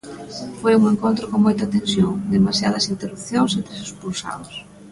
Foi un encontro con moita tensión, demasiadas interrupcións e tres expulsados.